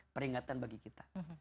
peringatan bagi kita